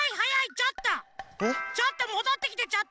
ちょっともどってきてちょっと！